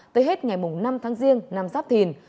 tới hết ngày năm tháng giêng năm sáp thìn